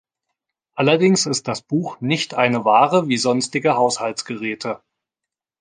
Allerdings ist das Buch nicht eine Ware wie sonstige Haushaltsgeräte.